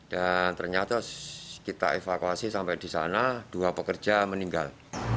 dan ternyata kita evakuasi sampai di sana dua pekerja meninggal